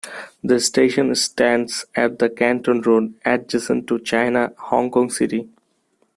The station stands at the Canton Road, adjacent to China Hong Kong City.